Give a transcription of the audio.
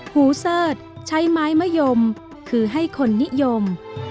หูเสิร์ชใช้ไม้มะยมคือให้คนนิยม